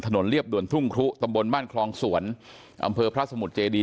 เรียบด่วนทุ่งครุตำบลบ้านคลองสวนอำเภอพระสมุทรเจดี